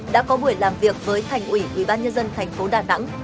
đã có buổi làm việc với thành ủy ubnd tp đà nẵng